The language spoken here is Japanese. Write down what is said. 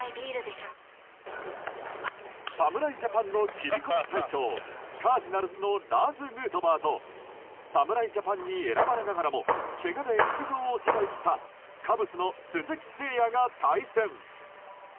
侍ジャパンの切り込み隊長カージナルスのラーズ・ヌートバーと侍ジャパンに選ばれながらもけがで出場を辞退したカブスの鈴木誠也が対戦。